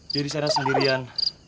diri saya sendirian